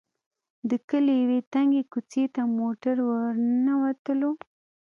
د کلي يوې تنګې کوڅې ته موټر ور ننوتلو.